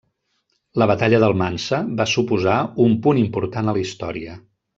La Batalla d'Almansa va suposar un punt important a la història.